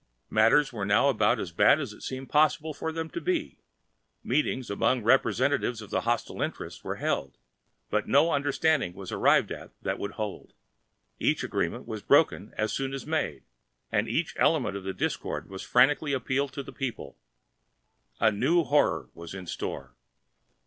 Matters were now about as bad as it seemed possible for them to be. Meetings among representatives of the hostile interests were held, but no understanding was arrived at that would hold. Every agreement was broken as soon as made, and each element of the discord was frantically appealing to the people. A new horror was in store.